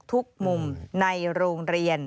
ทุกซอกทุกมุมในโรงเรียน